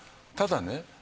ただね